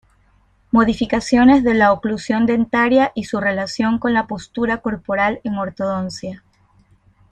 Modificaciones de la oclusión dentaria y su relación con la postura corporal en Ortodoncia.